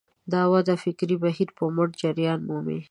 دا وده د فکري بهیر په مټ جریان مومي.